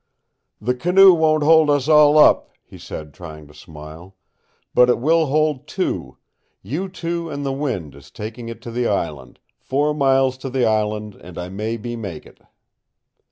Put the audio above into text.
"The canoe won't hold us all up," he said trying to smile. "But it will hold two you two and the wind is taking it to the island, four miles to the island, and I may be make it."